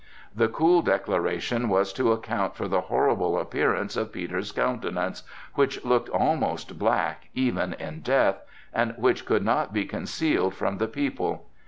This cool declaration was to account for the horrible appearance of Peter's countenance, which looked almost black even in death, and which could not be concealed from the people.